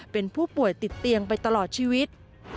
เป็นผู้ป่วยติดเตียงไปตลอดชีวิต